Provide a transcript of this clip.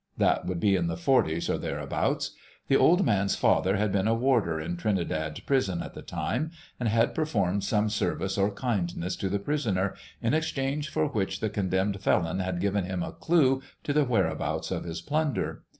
... That would be in the 'forties or thereabouts. The old man's father had been a warder in Trinidad prison at the time, and had performed some service or kindness to the prisoner, in exchange for which the condemned felon had given him a clue to the whereabouts of his plunder.